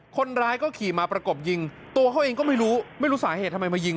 คนร้ายก็ขี่มาประกบยิงตัวเขาเองก็ไม่รู้ไม่รู้สาเหตุทำไมมายิง